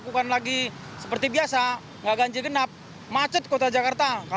tiap hari kami nggak terlalu kena macet sebagainya